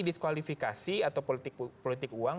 diskualifikasi atau politik uang